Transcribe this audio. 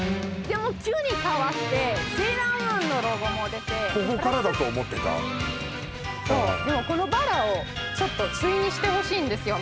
でも急に変わって「セーラームーン」のロゴも出てここからだと思ってたそうでもこのバラをちょっと注意してほしいんですよ